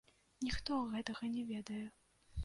Ніхто гэтага не ведае!